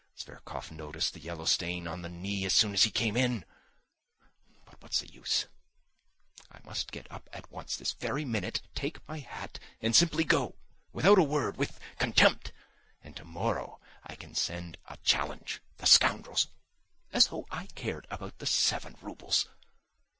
Zverkov noticed the yellow stain on the knee as soon as he came in.... But what's the use! I must get up at once, this very minute, take my hat and simply go without a word ... with contempt! And tomorrow I can send a challenge. The scoundrels! As though I cared about the seven roubles.